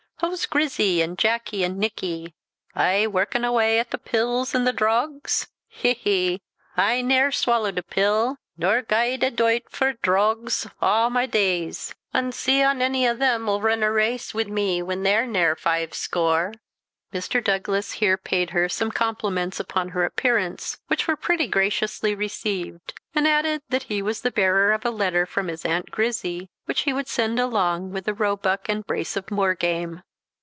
Hoo's Grizzy, an' Jacky, and Nicky? Aye workin awa at the pills an' the drogs? he, he! I ne'er swallowed a pill, nor gied a doit for drogs aw my days, an' see an ony of them'll rin a race wi' me whan they're naur five score." Mr. Douglas here paid her some compliments upon her appearance, which were pretty graciously received; and added that he was the bearer of a letter from his Aunt Grizzy, which he would send along with a roebuck and brace of moor game.